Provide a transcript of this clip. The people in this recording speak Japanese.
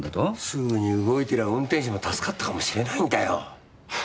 すぐに動いてりゃ運転手も助かったかもしれないんだよ。